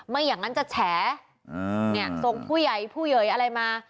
ไม่อย่างนั้นจะแฉส่งผู้ใหญ่ผู้ใหญ่อะไรมา